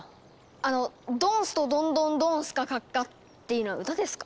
あの「ドンストドンドンドンスカカッカ」っていうのは歌ですか？